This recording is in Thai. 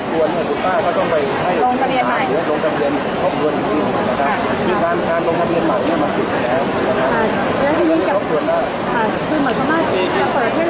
เพราะฉะนั้นนะเดี๋ยว